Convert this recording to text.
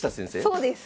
そうです！